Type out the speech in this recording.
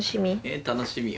楽しみ？